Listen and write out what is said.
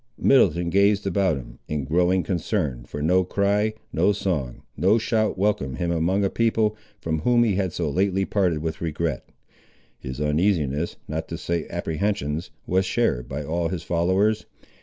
Middleton gazed about him, in growing concern, for no cry, no song, no shout welcomed him among a people, from whom he had so lately parted with regret. His uneasiness, not to say apprehensions, was shared by all his followers.